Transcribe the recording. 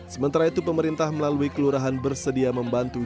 sementara itu pemerintah melalui kelurahan bersedia membantu